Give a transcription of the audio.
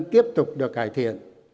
tiếp tục được cải thiện